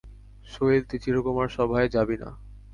শৈল, তুই চিরকুমার-সভায় যাবি না কি।